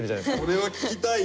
これは聞きたいよ！